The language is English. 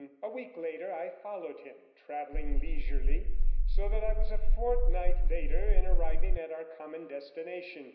A week later I followed him, travelling leisurely, so that I was a fortnight later in arriving at our common destination.